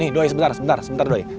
nih doi sebentar sebentar sebentar doi